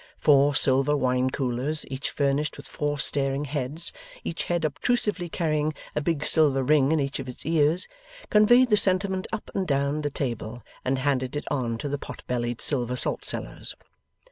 Four silver wine coolers, each furnished with four staring heads, each head obtrusively carrying a big silver ring in each of its ears, conveyed the sentiment up and down the table, and handed it on to the pot bellied silver salt cellars.